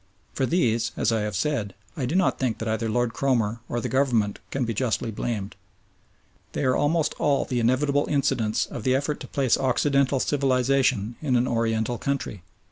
For these, as I have said, I do not think that either Lord Cromer or the Government can be justly blamed. They are almost all the inevitable incidents of the effort to plant Occidental civilisation in an Oriental country.